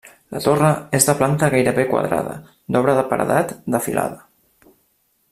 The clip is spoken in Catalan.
La torre és de planta gairebé quadrada, d'obra de paredat, de filada.